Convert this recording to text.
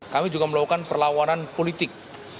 kami juga melakukan perlawanan politik